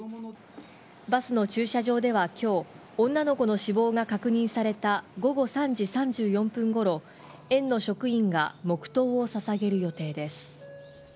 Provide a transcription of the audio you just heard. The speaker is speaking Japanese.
バスの駐車場では今日女の子の死亡が確認された午後３時３４分ごろ園の職員が黙とうを捧げる予定です。